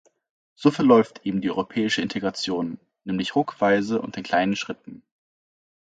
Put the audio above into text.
So verläuft eben die europäische Integration, nämlich ruckweise und in kleinen Schritten.